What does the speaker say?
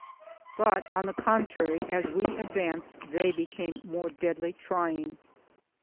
But on the contrary, as we advanced they became more deadly trying.